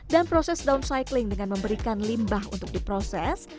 dan proses downcycling dengan memberikan limbah untuk diproses